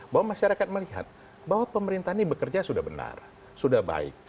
bahwa masyarakat melihat bahwa pemerintah ini bekerja sudah benar sudah baik